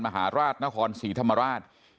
มหาราชนครศรีธรรมราช